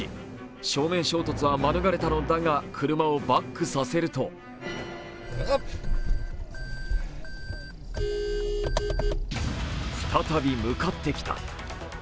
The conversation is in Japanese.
正面衝突は免れたのだが車をバックさせると再び向かってきた。